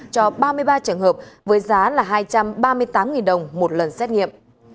cho ba mươi ba trường hợp với giá là hai trăm ba mươi tám đồng một lần xét nghiệm